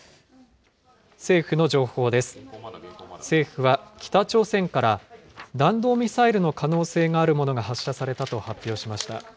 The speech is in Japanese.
政府は北朝鮮から弾道ミサイルの可能性があるものが発射されたと発表しました。